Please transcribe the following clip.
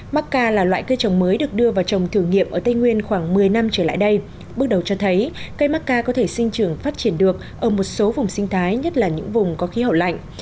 macca là loại cây trồng mới được đưa vào trồng thử nghiệm ở tây nguyên khoảng một mươi năm trở lại đây bước đầu cho thấy cây macca có thể sinh trưởng phát triển được ở một số vùng sinh thái nhất là những vùng có khí hậu lạnh